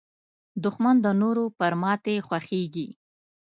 دښمن د نورو پر ماتې خوښېږي